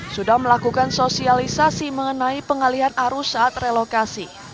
sudah melakukan sosialisasi mengenai pengalian arus saat relokasi